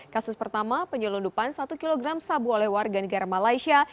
kasus pertama penyelundupan satu kg sabu oleh warga negara malaysia